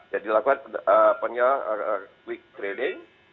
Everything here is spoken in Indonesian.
jadi dilakukan quick training